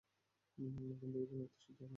কিন্তু এই অভিমতটি শুদ্ধ নয়।